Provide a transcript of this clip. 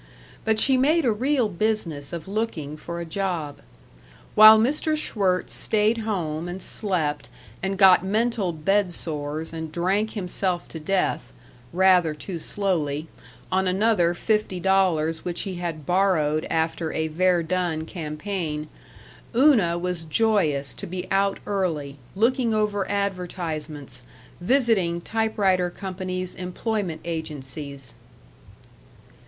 But she made a real business of looking for a job. While Mr. Schwirtz stayed home and slept and got mental bed sores and drank himself to death rather too slowly on another fifty dollars which he had borrowed after a Verdun campaign, Una was joyous to be out early, looking over advertisements, visiting typewriter companies' employment agencies.